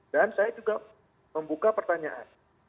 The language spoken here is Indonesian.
dan saya juga membuka pertanyaan